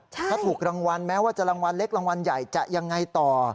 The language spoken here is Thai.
ถ้าถูกรางวัลแม้ว่าจะรางวัลเล็กรางวัลใหญ่จะยังไงต่อ